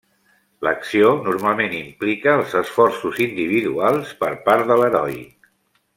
L'acció normalment implica els esforços individuals per part de l'heroi.